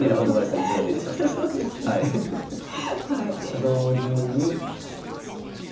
同銀に。